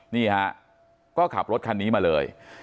นี่ฮะก็ขับรถคันนี้มาเลย